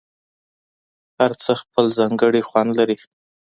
هر څه خپل ځانګړی خوند لري.